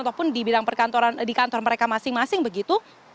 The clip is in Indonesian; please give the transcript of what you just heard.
ataupun di bidang perkantoran di kantor mereka masing masing begitu